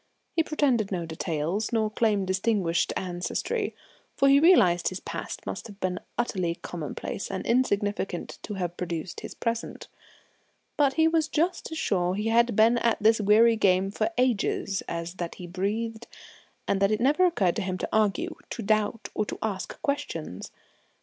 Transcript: He pretended to no details, nor claimed distinguished ancestry, for he realised his past must have been utterly commonplace and insignificant to have produced his present; but he was just as sure he had been at this weary game for ages as that he breathed, and it never occurred to him to argue, to doubt, or to ask questions.